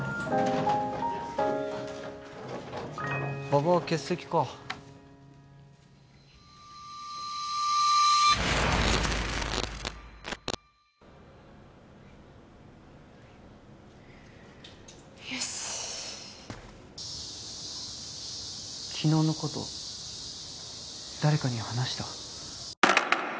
馬場は欠席かよし昨日のこと誰かに話した？